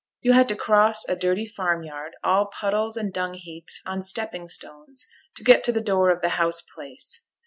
You had to cross a dirty farmyard, all puddles and dungheaps, on stepping stones, to get to the door of the house place.